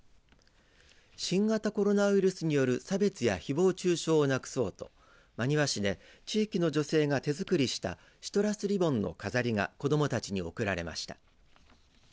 新型コロナウイルスによる差別やひぼう中傷をなくそうと真庭市で地域の女性が手作りしたシトラスリボンの飾りが子どもたちに贈られました。